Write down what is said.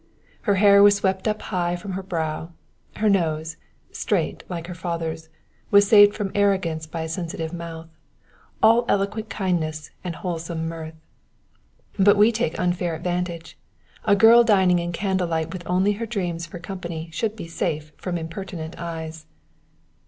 Her hair was swept up high from her brow; her nose, straight, like her father's, was saved from arrogance by a sensitive mouth, all eloquent of kindness and wholesome mirth but we take unfair advantage! A girl dining in candle light with only her dreams for company should be safe from impertinent eyes.